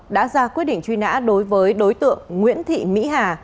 đã ra quyết định truy nã đối với đối tượng nguyễn thị mỹ hà